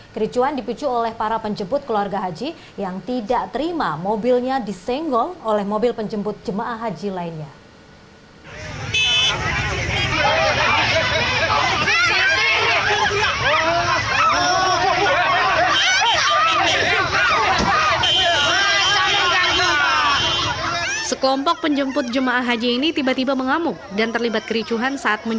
kericuhan dipicu oleh para penjemput keluarga haji yang tidak terima mobilnya disenggol oleh mobil penjemput jemaah haji lainnya